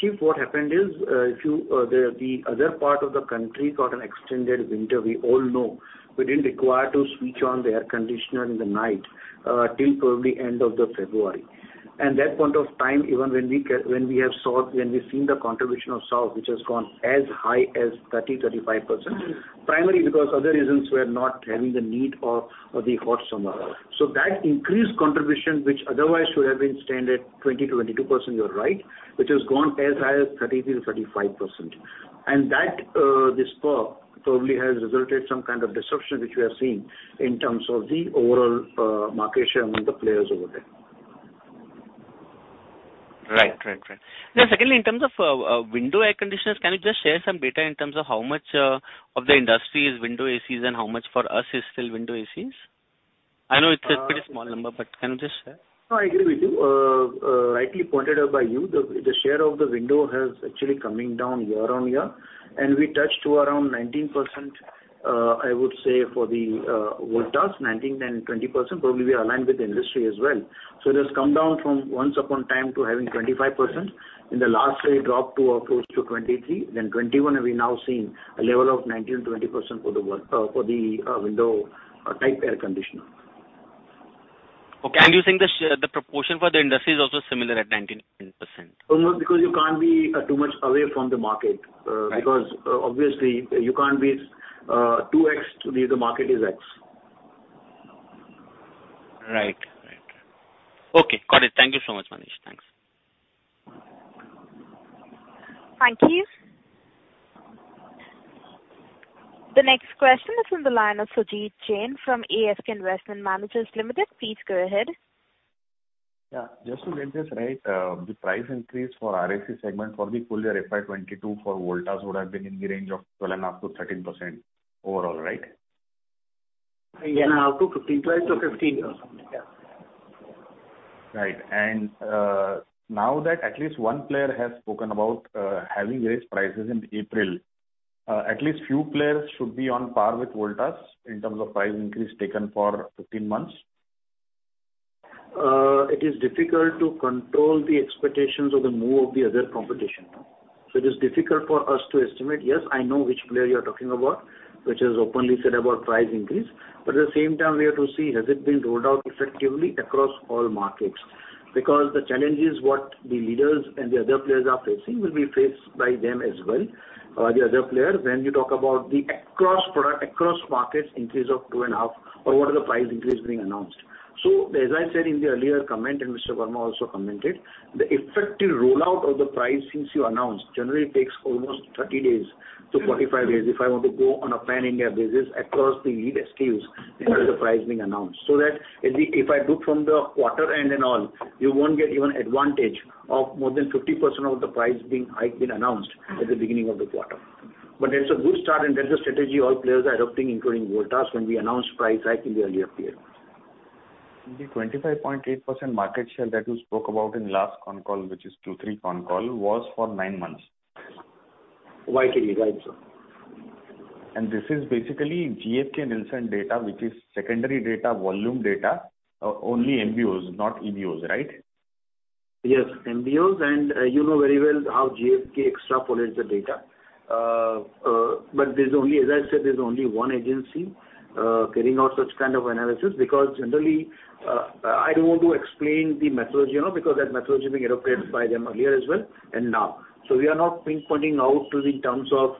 Chief, what happened is, if you the other part of the country got an extended winter, we all know. We didn't require to switch on the air conditioner in the night till probably end of February. That point of time, even when we've seen the contribution of south, which has gone as high as 30%-35%, primarily because other reasons we're not having the need of the hot summer. That increased contribution, which otherwise should have been standard 20%-22%, you're right, which has gone as high as 30%-35%. That this probably has resulted some kind of disruption which we are seeing in terms of the overall market share among the players over there. Right. Now, secondly, in terms of window air conditioners, can you just share some data in terms of how much of the industry is window ACs and how much for us is still window ACs? I know it's a pretty small number, but can you just share? No, I agree with you. Rightly pointed out by you, the share of the window has actually coming down year-over-year, and we touched to around 19%, I would say for the Voltas 19, then 20%, probably we aligned with the industry as well. It has come down from once upon a time to having 25%. In the last year, it dropped to close to 23, then 21, and we're now seeing a level of 19, 20% for the window type air conditioner. Okay. You think the proportion for the industry is also similar at 19%? No, because you can't be too much away from the market. Right. Because obviously you can't be 2x to the other market is x. Right. Right. Okay. Got it. Thank you so much, Manish. Thanks. Thank you. The next question is from the line of Sumit Jain from ASK Investment Managers Limited. Please go ahead. Yeah. Just to reemphasize, the price increase for RAC segment for the full year FY 2022 for Voltas would have been in the range of 12.5%-13% overall, right? Yeah. Now 15.2-15 or something. Yeah. Right. Now that at least one player has spoken about having raised prices in April, at least few players should be on par with Voltas in terms of price increase taken for 15 months. It is difficult to control the expectations of the move of the other competition. It is difficult for us to estimate. Yes, I know which player you are talking about, which has openly said about price increase. At the same time, we have to see has it been rolled out effectively across all markets. Because the challenge is what the leaders and the other players are facing will be faced by them as well, the other player, when you talk about the across product, across markets increase of 2.5% or what are the price increase being announced. As I said in the earlier comment, and Mr. Verma also commented, the effective rollout of the price since you announced generally takes almost 30 days-45 days. If I want to go on a Pan India basis across the lead SKUs, that is the price being announced. That if I look from the quarter end and all, you won't get even advantage of more than 50% of the price hike has been announced at the beginning of the quarter. That's a good start, and that's a strategy all players are adopting, including Voltas, when we announced price hike in the earlier period. The 25.8% market share that you spoke about in last conference call, which is Q3 conference call, was for nine months. YTD. Right, sir. This is basically GfK, Nielsen data, which is secondary data, volume data, only MBOs, not EBOs, right? Yes, MBOs. You know very well how GfK extrapolates the data. There's only one agency carrying out such kind of analysis, because generally I don't want to explain the methodology, you know, because that methodology being adopted by them earlier as well and now. We are not pinpointing out to the terms of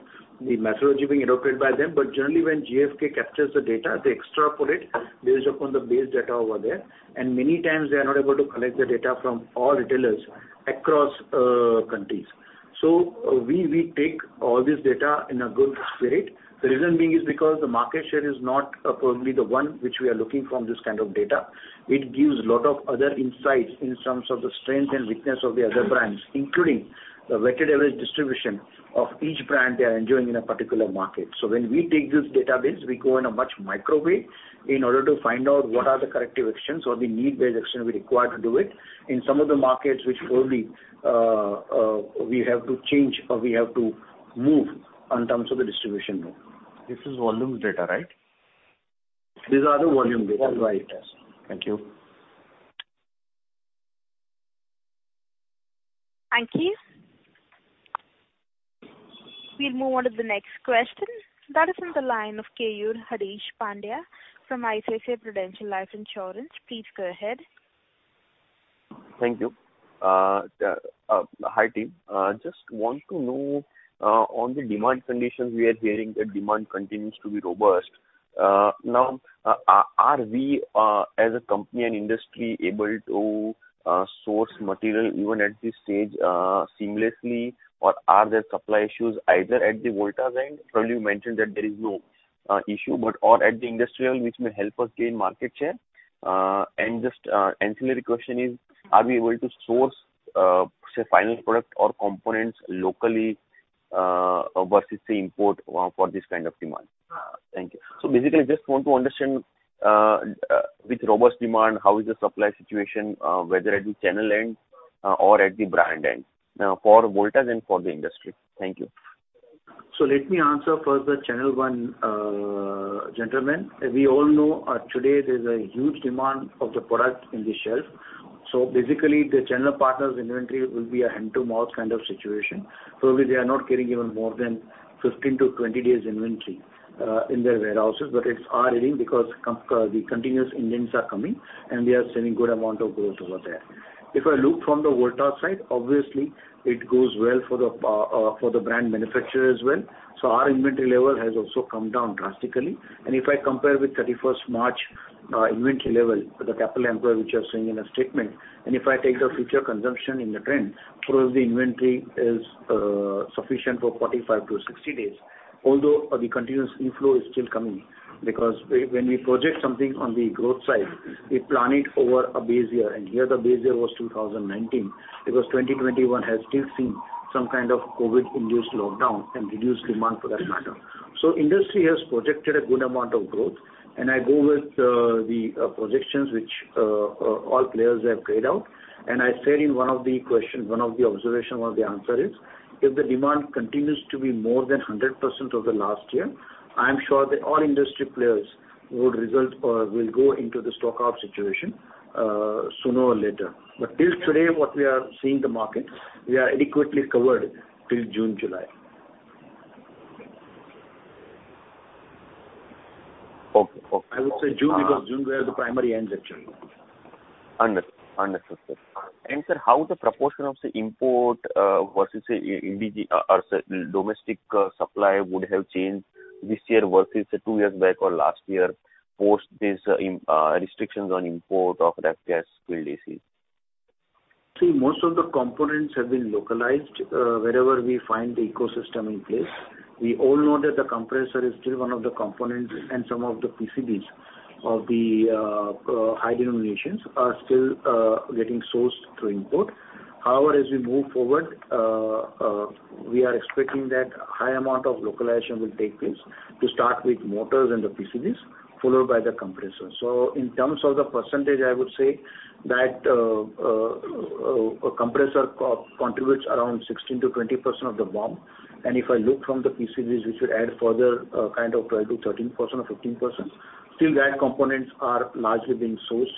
the methodology being adopted by them. Generally, when GfK captures the data, they extrapolate based upon the base data over there, and many times they are not able to collect the data from all retailers across countries. We take all this data in a good spirit. The reason being is because the market share is not probably the one which we are looking from this kind of data. It gives a lot of other insights in terms of the strength and weakness of the other brands, including the weighted average distribution of each brand they are enjoying in a particular market. When we take this database, we go in a much micro way in order to find out what are the corrective actions or the need-based action we require to do it. In some of the markets which probably we have to change or we have to move on terms of the distribution mode. This is volume data, right? These are the volume data. That's right. Thank you. Thank you. We'll move on to the next question. That is on the line of Keyur Pandya from ICICI Prudential Life Insurance. Please go ahead. Thank you. Hi, team. Just want to know on the demand conditions, we are hearing that demand continues to be robust. Now, are we, as a company and industry, able to source material even at this stage seamlessly? Or are there supply issues either at the Voltas end? Earlier you mentioned that there is no issue, but or at the industrial which may help us gain market share. And just, ancillary question is, are we able to source, say, final product or components locally versus the import for this kind of demand? Thank you. Basically just want to understand with robust demand, how is the supply situation, whether at the channel end or at the brand end, for Voltas and for the industry. Thank you. Let me answer first the channel one, gentleman. As we all know, today there's a huge demand of the product in the shelf. Basically the channel partners inventory will be a hand-to-mouth kind of situation. They are not getting even more than 15-20 days inventory in their warehouses. It's our reading because the continuous indents are coming, and we are seeing good amount of growth over there. If I look from the Voltas side, obviously it goes well for the brand manufacturer as well. Our inventory level has also come down drastically. If I compare with March 31st, inventory level for the capital employed, which you are seeing in a statement, and if I take the future consumption in the trend, suppose the inventory is sufficient for 45-60 days. Although the continuous inflow is still coming, because when we project something on the growth side, we plan it over a base year, and here the base year was 2019. 2021 has still seen some kind of COVID-induced lockdown and reduced demand for that matter. Industry has projected a good amount of growth. I go with the projections which all players have carried out. I said in one of the answers, if the demand continues to be more than 100% over last year, I am sure that all industry players would result or will go into the stock-out situation sooner or later. Till today, what we are seeing in the market, we are adequately covered till June, July. Okay. I would say June, because June we have the primary end actually. Understood. Understood, sir. Sir, how the proportion of say import versus say indigenous or domestic supply would have changed this year versus 2 years back or last year post these restrictions on import of ref gas split ACs? See, most of the components have been localized, wherever we find the ecosystem in place. We all know that the compressor is still one of the components, and some of the PCBs of the high denominations are still getting sourced through import. However, as we move forward, we are expecting that high amount of localization will take place to start with motors and the PCBs, followed by the compressor. In terms of the percentage, I would say that a compressor which contributes around 16%-20% of the BOM. If I look from the PCBs, we should add further, kind of 12%-13% or 15%. Still, those components are largely being sourced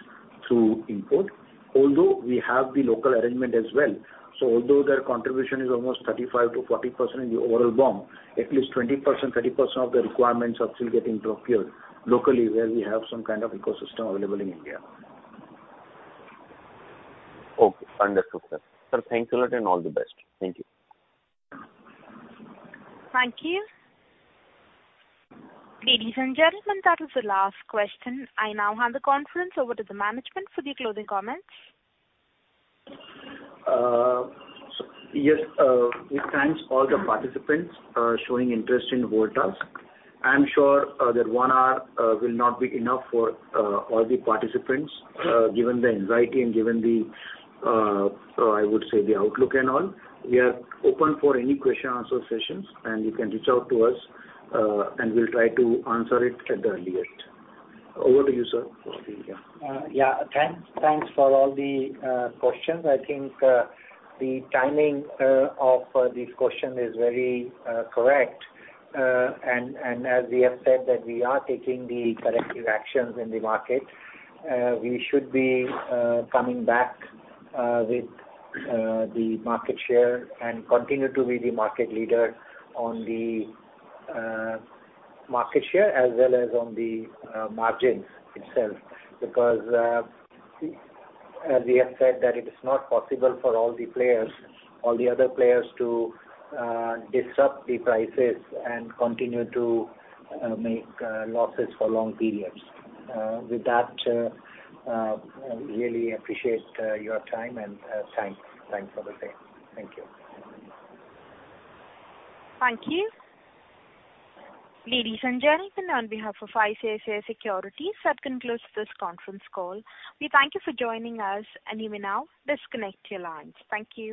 through import, although we have the local arrangement as well. Although their contribution is almost 35%-40% in the overall BOM, at least 20%-30% of the requirements are still getting procured locally where we have some kind of ecosystem available in India. Okay. Understood, sir. Sir, thank you a lot and all the best. Thank you. Thank you. Ladies and gentlemen, that is the last question. I now hand the conference over to the management for the closing comments. We thank all the participants showing interest in Voltas. I am sure that one hour will not be enough for all the participants given the anxiety and given the I would say the outlook and all. We are open for any question answer sessions, and you can reach out to us and we'll try to answer it at the earliest. Over to you, sir, for the. Yeah. Thanks for all the questions. I think the timing of these questions is very correct. As we have said that we are taking the corrective actions in the market, we should be coming back with the market share and continue to be the market leader on the market share as well as on the margins itself. Because as we have said that it is not possible for all the other players to disrupt the prices and continue to make losses for long periods. With that, really appreciate your time and thanks. Thanks for the same. Thank you. Thank you. Ladies and gentlemen, on behalf of ICICI Securities, that concludes this conference call. We thank you for joining us, and you may now disconnect your lines. Thank you.